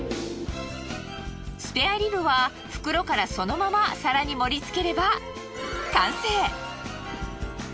スペアリブは袋からそのまま皿に盛りつければ完成。